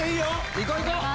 ・いこういこう！